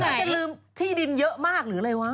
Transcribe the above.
มันจะลืมที่ดินเยอะมากหรืออะไรวะ